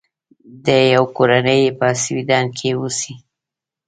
دی او کورنۍ یې په سویډن کې اوسي.